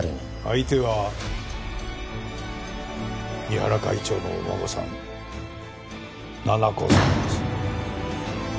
相手は三原会長のお孫さん奈々子さんです。